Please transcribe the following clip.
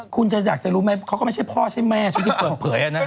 คุณจะอยากจะรู้ไหมเขาก็ไม่ใช่พ่อใช่แม่ฉันที่เปิดเผย